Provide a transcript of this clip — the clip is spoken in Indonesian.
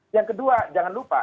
yang kedua jangan lupa